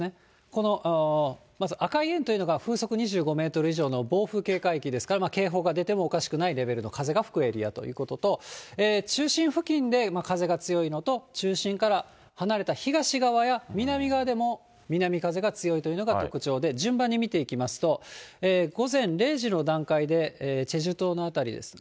このまず赤い円というのが風速２５メートル以上の暴風警戒域ですから、警報が出てもおかしくない風が吹くエリアということと、中心付近で風が強いのと、中心から離れた東側や南側でも南風が強いというのが特徴で、順番に見ていきますと、午前０時の段階でチェジュ島の辺りです。